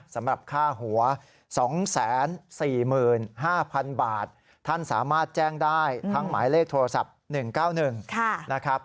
สำหรับค่าหัว๒๔๕๐๐๐บาทท่านสามารถแจ้งได้ทั้งหมายเลขโทรศัพท์๑๙๑นะครับ